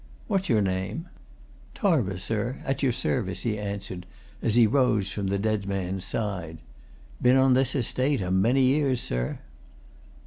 What's your name?" "Tarver, sir, at your service," he answered, as he rose from the dead man's side. "Been on this estate a many years, sir."